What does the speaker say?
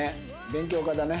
勉強家だね。